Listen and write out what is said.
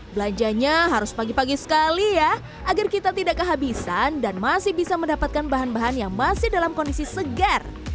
belanjanya harus pagi pagi sekali ya agar kita tidak kehabisan dan masih bisa mendapatkan bahan bahan yang masih dalam kondisi segar